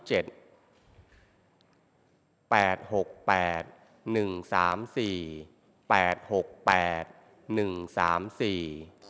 ออกรางวัลที่๔ครั้งที่๙